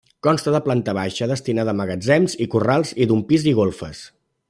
Consta de planta baixa, destinada a magatzems i corrals, i d'un pis i golfes.